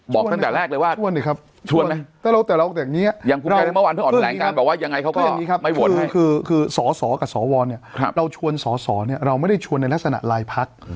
บอกตั้งแต่แรกเลยว่าชวนไหมแต่เราตั้งแต่อย่างนี้คือสอสอกับสอวรเนี่ยเราชวนสอสอเนี่ยเราไม่ได้ชวนในลักษณะลายพัก